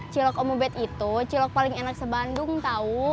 cilok omobet itu cilok paling enak se bandung tau